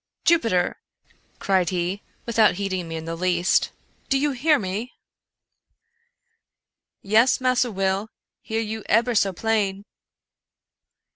" Jupiter," cried he, without heeding me in the least, " do y6u hear me ?"" Yes, Massa Will, hear you ebber so plain."